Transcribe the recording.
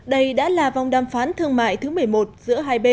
đây đã là vòng đàm phán thương mại thứ một mươi một